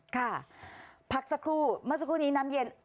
ค่ะพักสักครู่เมื่อสักครู่นี้น้ำเย็น